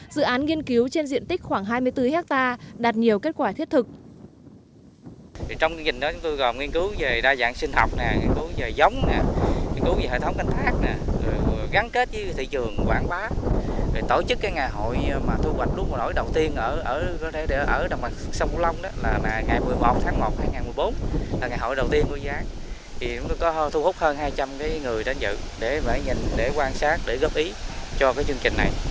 dự án nghiên cứu trên diện tích khoảng hai mươi bốn hectare đạt nhiều kết quả thiết thực